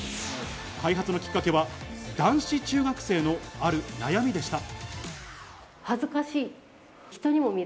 開発のきっかけは男子中学生のある悩みでした。